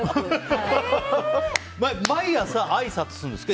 毎朝、あいさつするんですか？